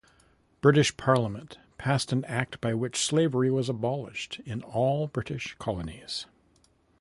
British parliament passed an act by which slavery was abolished in all British colonies.